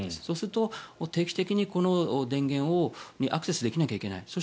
そうすると、定期的に電源にアクセスできなきゃいけない。